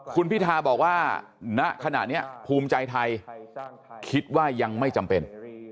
คุณพิทาบอกว่าณขณะนี้ภูมิใจไทยคิดว่ายังไม่จำเป็น